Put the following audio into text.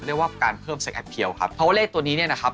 เรียกว่าการเพิ่มเซ็กแอปเพียลครับเพราะว่าเลขตัวนี้เนี่ยนะครับ